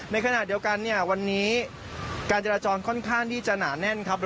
ในขณะเดียวกันเนี่ยวันนี้การจราจรค่อนข้างที่จะหนาแน่นครับ